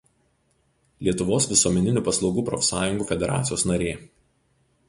Lietuvos visuomeninių paslaugų profsąjungų federacijos narė.